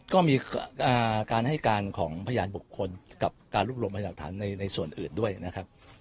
ก็มีการให้การของพยานบุคคลกับการรวบรวมพยานหลักฐานในส่วนอื่นด้วยนะครับ